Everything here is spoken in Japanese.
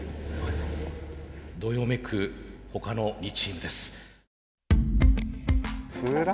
どよめく他の２チームです。